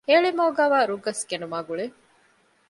ހޭޅިމަގުގައިވާ ރުއްގަސް ކެނޑުމާއި ގުޅޭ